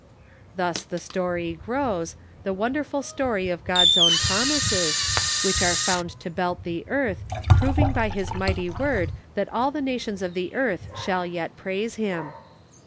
Thus the story grows, the wonderful story of God's own promises, which are found to Then and Now. 489 belt the earth, proving by his mighty word that all the nations of the earth shall yet praise him.